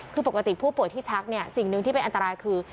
คือปกติผู้ป่วยที่ชักเนี่ยสิ่งหนึ่งที่เป็นอันตรายคือ